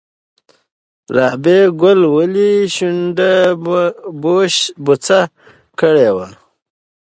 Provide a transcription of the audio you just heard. رابعه ګل ولې شونډه بوڅه کړې وه؟